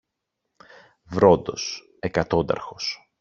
Βρόντος, εκατόνταρχος.